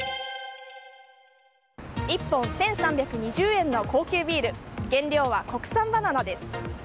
１本１３２０円の高級ビール原料は国産バナナです。